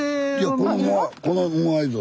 あっこのモアイ像。